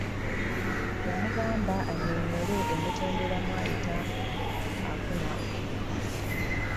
Yamugamba anyonyole emitendera mwayita nga afuna omulimu .